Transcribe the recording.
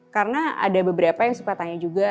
karena ada beberapa yang suka tanya juga